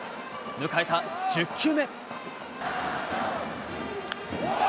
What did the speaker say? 迎えた１０球目。